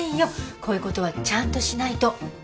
こういうことはちゃんとしないと。